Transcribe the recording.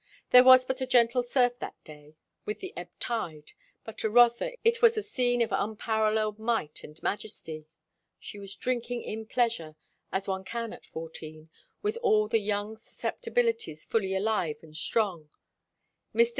There was but a gentle surf that day, with the ebb tide; but to Rotha it was a scene of unparalleled might and majesty. She was drinking in pleasure, as one can at fourteen, with all the young susceptibilities fully alive and strong. Mr.